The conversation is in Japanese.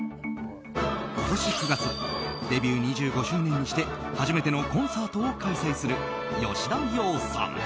今年９月デビュー２５周年にして初めてのコンサートを開催する吉田羊さん。